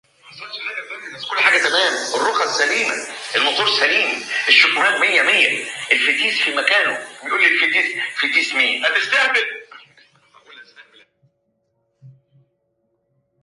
One, two, three, four, I'm just gonna keep on counting.